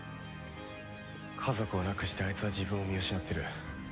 家族を亡くしてあいつは自分を見失ってる。